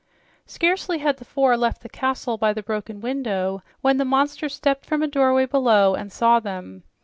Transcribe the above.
Scarcely had the four left the castle by the broken window when the monster stepped from a doorway below and saw them.